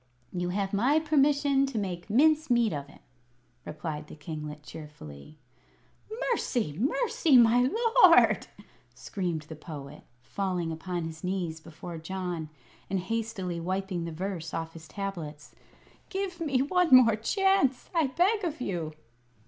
"You have my permission to make mince meat of him," replied the kinglet, cheerfully. "Mercy! mercy, my lord!" screamed the Poet, falling upon his knees before John and hastily wiping the verse off his tablets, "give me one more chance, I beg of you!"